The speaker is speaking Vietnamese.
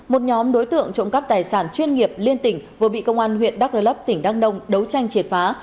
một nhóm đối tượng trộm cắp tài sản chuyên nghiệp liên tỉnh vừa bị công an huyện đắk lớp tỉnh đăng đông đấu tranh triệt phá